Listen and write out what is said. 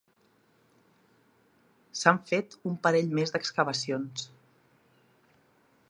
S'han fet un parell més d'excavacions.